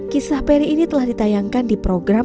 kisah peri ini telah ditayangkan di program